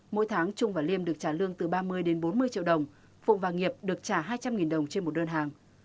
mỗi tháng trung và liêm được trả lương từ ba mươi đến bốn mươi triệu đồng phụng và nghiệp được trả hai trăm linh đồng trên một đơn hàng